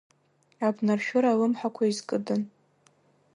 Абнаршәыра алымҳақәа изкыдын.